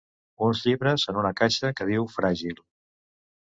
Uns llibres en una caixa que diu fràgil.